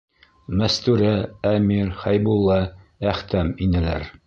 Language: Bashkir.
Мәстүрә, Әмир, Хәйбулла, Әхтәм инәләр.